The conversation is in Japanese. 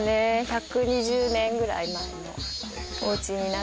１２０年ぐらい前のおうちになってて。